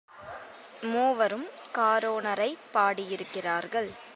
மூவரும் காரோணரைப் பாடியிருக் கிறார்கள்.